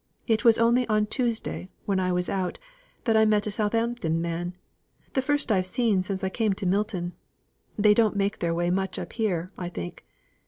It was only on Tuesday, when I was out, that I met a Southampton man the first I've seen since I came to Milton; they don't make their way much up here, I think.